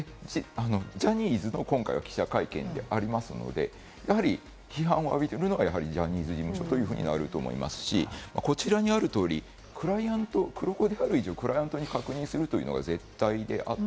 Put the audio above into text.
ジャニーズの今回は記者会見でありますので、批判を浴びているのが、やはりジャニーズ事務所ということになると思いますし、こちらにある通り、黒子である以上、クライアントに確認するのは絶対条件。